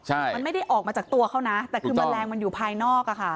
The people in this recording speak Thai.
ใช่มันไม่ได้ออกมาจากตัวเขานะแต่คือแมลงมันอยู่ภายนอกอ่ะค่ะ